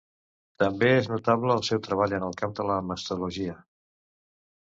També és notable el seu treball en el camp de la mastologia.